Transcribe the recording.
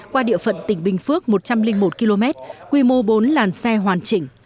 qua địa phận tỉnh bình phước một trăm linh một km quy mô bốn làn xe hoàn chỉnh